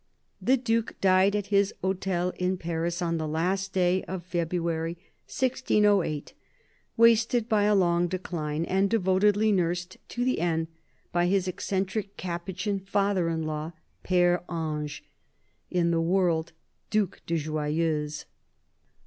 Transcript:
The Duke died at his hotel in Paris on the last day of February 1608, wasted by a long decline, and devotedly nursed to the end by his eccentric Capuchin father in law, Ptre Ange, in the world Due de Joyeuse.